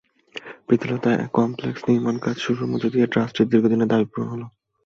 Pritilata complex নির্মাণকাজ শুরুর মধ্য দিয়ে ট্রাস্টের দীর্ঘদিনের দাবি পূরণ হলো।